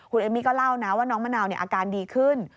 คุณเอมมี่ก็เล่านะว่าน้องมะนาวอาการดีขึ้น